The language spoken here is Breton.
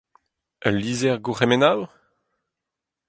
Ul lizher gourc'hemennoù ?